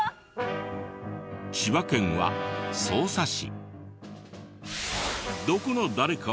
千葉県は匝瑳市。